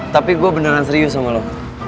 tapi gue beneran serius sama lo